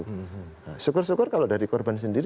syukur syukur kalau dari korban sendiri